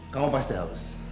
kamu pasti haus